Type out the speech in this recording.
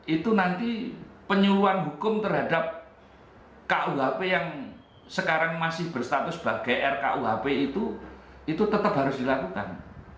itu nanti penyuluan hukum terhadap kuhp yang sekarang masih berstatus sebagai rkuhp itu itu tetap harus dilakukan